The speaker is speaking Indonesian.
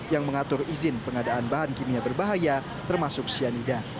yang mengatur izin pengadaan bahan kimia berbahaya termasuk cyanida